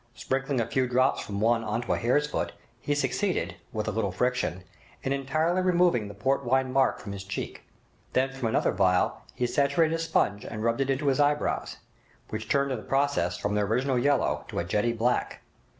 Sprinkling a few drops from one on to a hare's foot, he succeeded, with a little friction, in entirely removing the port wine mark from his cheek. Then from another phial he saturated a sponge and rubbed it into his eyebrows, which turned in the process from their original yellow to a jetty black.